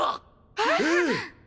えっ！